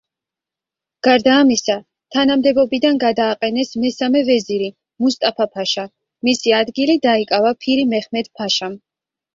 გარდა ამისა თანამდებობიდან გადააყენეს მესამე ვეზირი მუსტაფა-ფაშა, მისი ადგილი დაიკავა ფირი მეჰმედ-ფაშამ.